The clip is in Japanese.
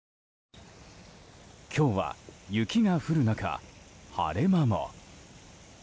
今日は雪が降る中、晴れ間も。